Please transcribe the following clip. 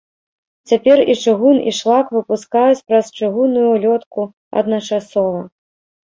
Цяпер і чыгун, і шлак выпускаюць праз чыгунную лётку адначасова.